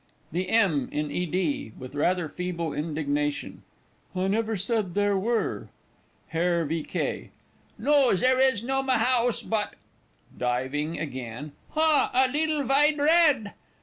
THE M. IN E. D. (with rather feeble indignation). I never said there were. HERR V. K. No, zere is no mahouse bot [diving again] ha! a leedle vide rad!